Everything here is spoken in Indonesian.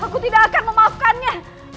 aku tidak akan memaafkannya